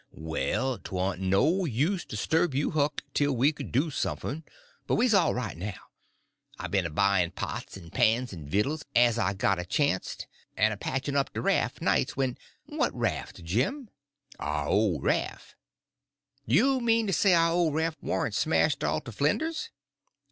"Well, 'twarn't no use to 'sturb you, Huck, tell we could do sumfn—but we's all right now. I ben a buyin' pots en pans en vittles, as I got a chanst, en a patchin' up de raf' nights when—" "What raft, Jim?" "Our ole raf'." "You mean to say our old raft warn't smashed all to flinders?"